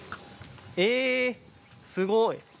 えすごい。